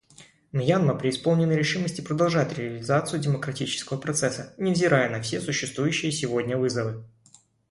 Мьянма преисполнена решимости продолжать реализацию демократического процесса, невзирая на все существующие сегодня вызовы.